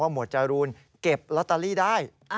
ว่าหมวดจรูลเก็บล็อตเตอรี่ได้